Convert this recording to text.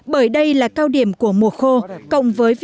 bởi đây là cao điểm của mùa khô